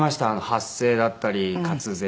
発声だったり滑舌